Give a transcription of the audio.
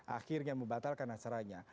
akhirnya membatalkan acaranya